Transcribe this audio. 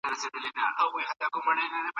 اقتصادي پلانونه د کارپوهانو لخوا جوړیږي.